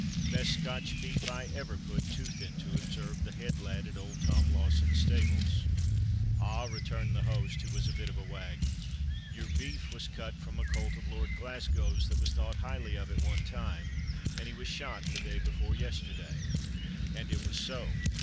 "Best Scotch beef I ever put tooth into!" observed the "head lad" at old Tom Lawson's stables. "Ah!" returned the host, who was a bit of a wag, "your beef was cut from a colt of Lord Glasgow's that was thought highly of at one time; and he was shot the day before yesterday." And it was so.